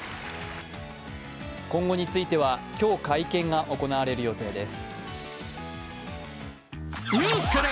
今後については、今日会見が行われる予定です。